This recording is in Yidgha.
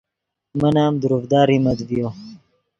من ام دروڤدا ریمت ڤیو